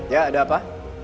ya ada apa